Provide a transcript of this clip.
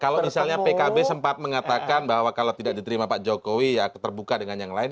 kalau misalnya pkb sempat mengatakan bahwa kalau tidak diterima pak jokowi ya terbuka dengan yang lain